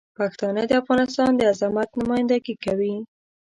پښتانه د افغانستان د عظمت نمایندګي کوي.